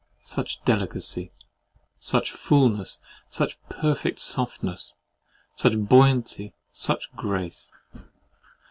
Such delicacy, such fulness, such perfect softness, such buoyancy, such grace!